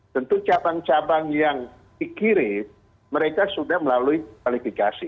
tentu cabang cabang yang dikirim mereka sudah melalui kualifikasi